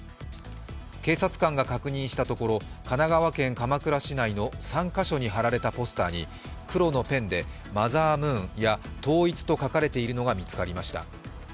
警察官が確認したところ神奈川県鎌倉市内の３か所に貼られたポスターに黒のペンで「マザームーン」や「統一」と書かれているのが見つかりました。